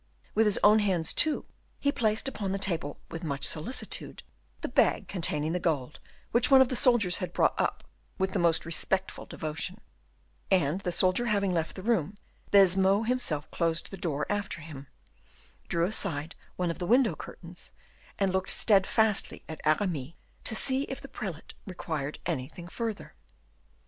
With his own hands, too, he placed upon the table, with much solicitude, the bag containing the gold, which one of the soldiers had brought up with the most respectful devotion; and the soldier having left the room, Baisemeaux himself closed the door after him, drew aside one of the window curtains, and looked steadfastly at Aramis to see if the prelate required anything further.